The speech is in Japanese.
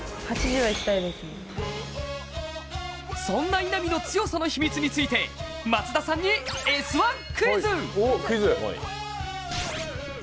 そんな稲見の強さの秘密について松田さんに「Ｓ☆１Ｑｕｉｚ」！